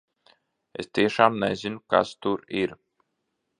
Es tiešām nezinu, kas tur ir!